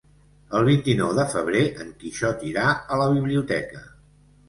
El vint-i-nou de febrer en Quixot irà a la biblioteca.